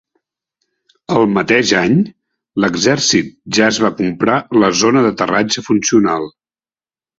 El mateix any, l'exèrcit ja es va comprar la zona d'aterratge funcional.